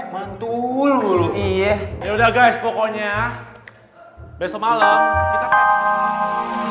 mantul iya ya udah guys pokoknya besok malam kita